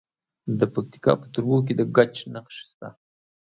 د پکتیکا په تروو کې د ګچ نښې شته.